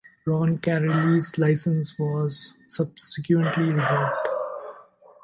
Roncarelli's licence was subsequently revoked.